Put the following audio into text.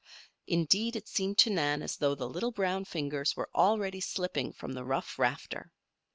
Indeed, it seemed to Nan as though the little brown fingers were already slipping from the rough rafter.